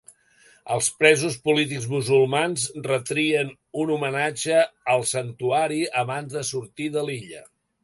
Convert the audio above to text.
Els presos polítics musulmans retrien un homenatge al santuari abans de sortir de l'illa.